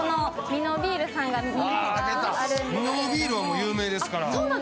箕野ビールは有名ですから。